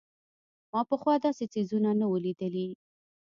ما پخوا داسې څيزونه نه وو لېدلي.